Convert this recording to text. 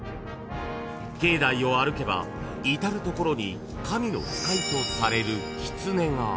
［境内を歩けば至る所に神の使いとされるきつねが］